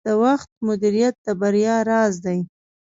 د وخت مدیریت د بریا راز دی.